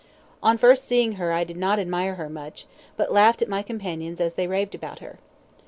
On first seeing her I did not admire her much, but laughed at my companions as they raved about her.